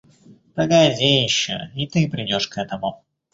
Погоди еще, и ты придешь к этому.